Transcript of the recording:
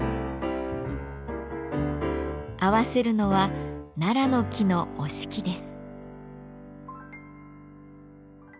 合わせるのは楢の木の折敷です。